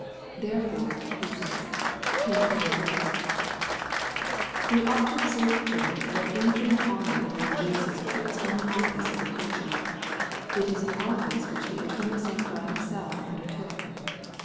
" Therefore," He says, " came I forth/' We ought to observe here, what infinite honor the Lord Jesus puts on the office of the preacher. It is an oflice which the eternal Son of Grod Himself undertook.